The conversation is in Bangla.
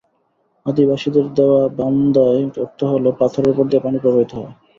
আদি বাসিদের দেওয়া বন্দায় অর্থ হলো পাথরের ওপর দিয়ে পানি প্রবাহিত হওয়া।